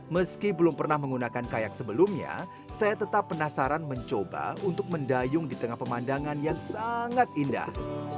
meski belum pernah menggunakan kayak sebelumnya saya tetap penasaran mencoba untuk mendayung di tengah pemandangan yang sangat indah